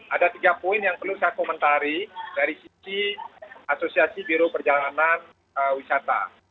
ada tiga poin yang perlu saya komentari dari sisi asosiasi biro perjalanan wisata